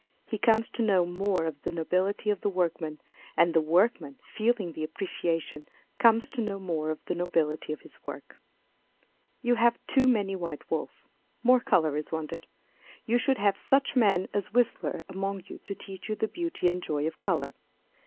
He comes to know more of the nobility of the workman, and the workman, feeling the appreciation, comes to know more of the nobility of his work. You have too many white walls. More colour is wanted. You should have such men as Whistler among you to teach you the beauty and joy of colour.